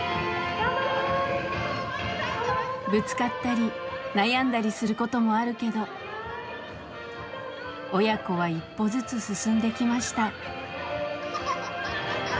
ぶつかったり悩んだりすることもあるけど親子は一歩ずつ進んできました。